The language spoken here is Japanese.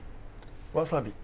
わさび。